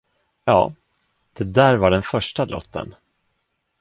Ja, det där var den första lotten.